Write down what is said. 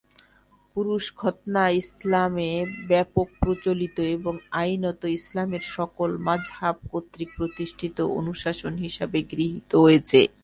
পুরুষ খৎনা ইসলামে ব্যপক প্রচলিত এবং আইনত ইসলামের সকল মাযহাব কর্তৃক প্রতিষ্ঠিত অনুশাসন হিসাবে গৃহীত হয়েছে।